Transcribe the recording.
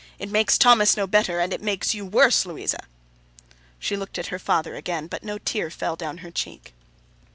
It makes Thomas no better, and it makes you worse, Louisa.' She looked at her father again, but no tear fell down her cheek.